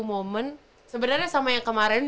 momen sebenarnya sama yang kemarin